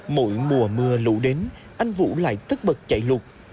mỗi mùa mưa lũ đến anh vũ lại tất bật chạy lụt